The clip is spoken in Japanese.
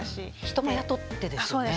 人も雇ってですよね？